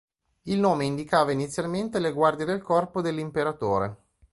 Il nome indicava inizialmente le guardie del corpo dell'Imperatore.